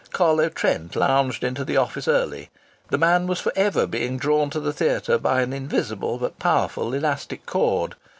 Carlo Trent lounged into the office early. The man was for ever being drawn to the theatre as by an invisible but powerful elastic cord.